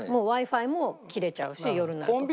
もうＷｉ−Ｆｉも切れちゃうし夜になると。